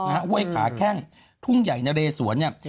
ห้วยขาแข้งทุ่งใหญ่นะเรสวนเนี่ย